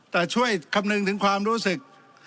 แต่ช่วยคำนึงถึงความรู้สึก